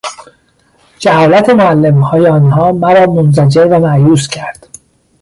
جهالت معلمهای آنجا مرا منزجر و مایوس کرد.